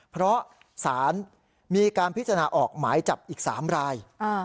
เพราะสารมีการพิจารณาออกหมายจับอีก๓ราย